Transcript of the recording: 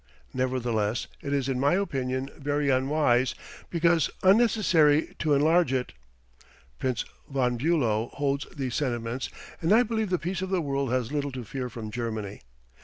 Nevertheless, it is in my opinion very unwise, because unnecessary, to enlarge it. Prince von Bülow holds these sentiments and I believe the peace of the world has little to fear from Germany.